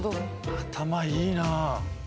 頭いいなあ。